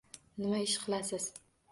Nima ish qilasiz?